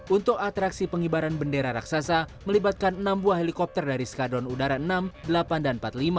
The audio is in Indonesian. untuk atraksi pengibaran bendera raksasa melibatkan enam buah helikopter dari skadron udara enam delapan dan empat puluh lima